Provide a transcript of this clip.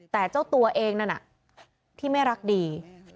แต่เจ้าตัวเองนั่นน่ะที่ไม่รักดี